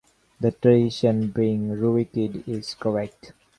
The tradition being Rurikid is correct.